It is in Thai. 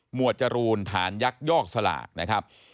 วดจรูนฐานยักยอกสลากนะครับ